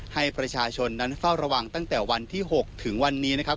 ให้ประชาชนนั้นเฝ้าระวังตั้งแต่วันที่๖ถึงวันนี้นะครับ